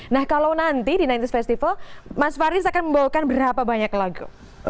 nah kalau nanti di sembilan ratus festival mas faris akan membawakan berapa banyak lagu